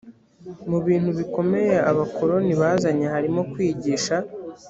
mu bintu bikomeye abakoloni bazanye harimo kwigisha